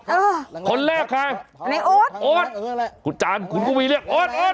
อื้อคนแรกค่ะโอ๊ดคุณจารย์ขุนกระวีเรียกโอ๊ด